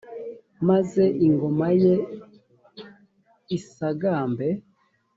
maze ingoma ye isagambe.